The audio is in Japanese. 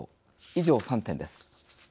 以上３点です。